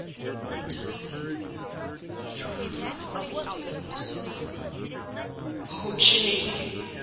He turned away; he threw himself on his face on the sofa. "Oh, Jane!